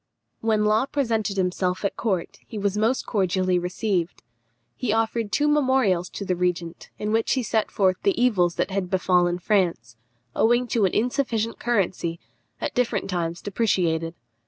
When Law presented himself at court he was most cordially received. He offered two memorials to the regent, in which he set forth the evils that had befallen France, owing to an insufficient currency, at different times depreciated.